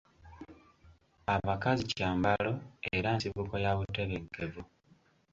Abakazi kyambalo era nsibuko ya butebenkevu.